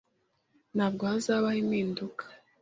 Ntabwo hazabaho impinduka.